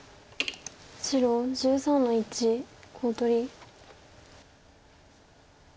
白１３の一コウ取り。